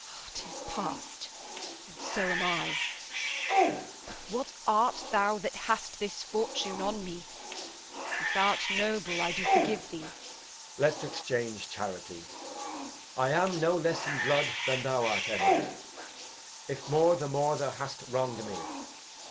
'Tis past, and so am I. But what art thou That hast this fortune on me? If thou'rt noble, I do forgive thee. Edg. Let's exchange charity. I am no less in blood than thou art, Edmund; If more, the more th' hast wrong'd me.